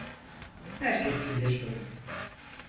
Herkes bilir bunu.